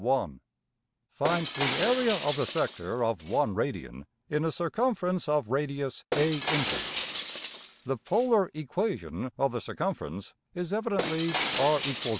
(1) Find the area of the sector of $1$~radian in a circumference of radius $a$~\DPchg{inch}{inches}. The polar equation of the circumference is evidently $r=a$.